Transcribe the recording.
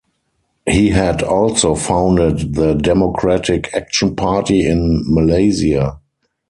He had also founded the Democratic Action Party in Malaysia.